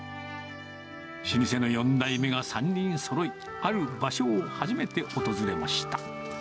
老舗の４代目が３人そろい、ある場所を初めて訪れました。